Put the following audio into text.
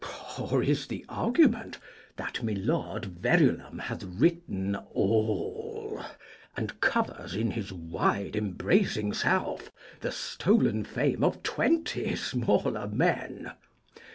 Or is the argument That my Lord Verulam hath written all, And covers in his wide embracing self The stolen fame of twenty smaller men?